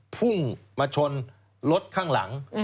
พุ่งมาชนรถข้างหลัง